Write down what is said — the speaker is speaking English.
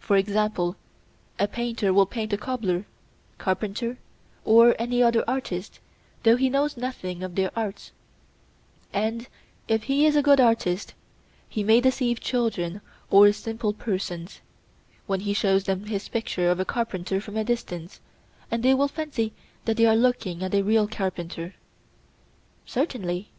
For example: A painter will paint a cobbler, carpenter, or any other artist, though he knows nothing of their arts; and, if he is a good artist, he may deceive children or simple persons, when he shows them his picture of a carpenter from a distance, and they will fancy that they are looking at a real carpenter. Certainly.